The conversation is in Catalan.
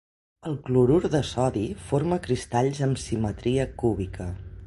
El clorur de sodi forma cristalls amb simetria cúbica.